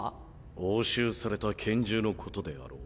押収された拳銃のことであろう。